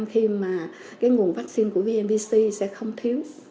khi mà cái nguồn vaccine của vnpc sẽ không thiếu